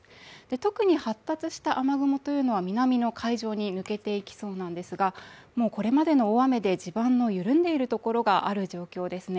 特に発達した雨雲というのは南の海上に抜けていきそうなんですが、これまでの大雨で地盤の緩んでいるところがある状況ですね